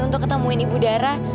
untuk ketemuin ibu dara